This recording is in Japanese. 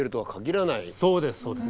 そうですそうです。